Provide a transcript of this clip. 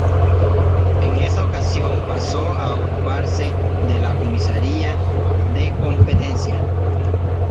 En esa ocasión pasó a ocuparse de la comisaría de Competencia.